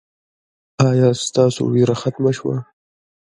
ایا ستاسو ویره ختمه شوه؟